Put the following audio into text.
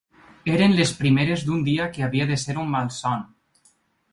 Eren les primeres d’un dia que havia de ser un malson.